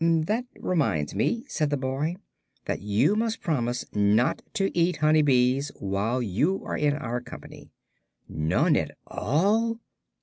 "That reminds me," said the boy, "that you must promise not to eat honey bees while you are in our company." "None at all?"